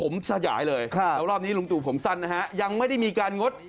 แล้วรอบนี้ลุงตุผมสั้นยังไม่ได้มีการงด